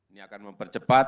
ini akan mempercepat